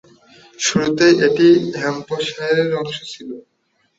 শুরুতে এটি হ্যাম্পশায়ারের অংশ ছিলো।